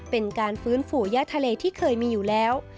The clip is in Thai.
เป็นการฟื้นฟูย่าทะเลที่เคยมีอยู่แล้ว